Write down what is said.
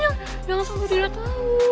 jangan sampai dinda tahu